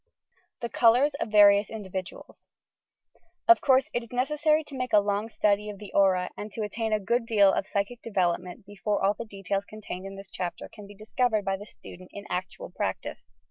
k YOUR PSYCHIC POWERS THE COLOURS OF VARIOUS INDIVIDUALS 4 Of course, it is necessary to make a long study of the aura and to attain a good deal of psychic development before all the details contained in this chapter can be discovered by the student in actual practice.